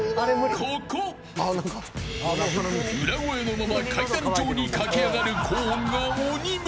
ここ、裏声のまま階段状に駆け上がる高音が鬼む